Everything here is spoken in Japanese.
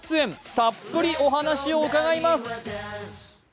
たっぷりお話を伺います。